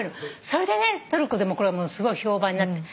それでねトルコでもこれすごい評判になって。